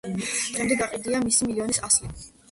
დღემდე გაიყიდა მისი მილიონი ასლი.